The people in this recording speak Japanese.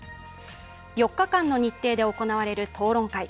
４日間の日程で行われる討論会。